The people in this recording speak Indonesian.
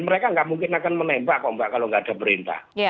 mereka nggak mungkin akan menembak ombak kalau nggak ada perintah